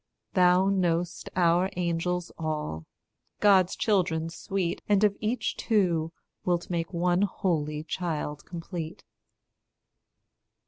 Thou know'st our angels all, God's children sweet, And of each two wilt make one holy child complete.